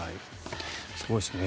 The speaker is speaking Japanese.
すごいですね。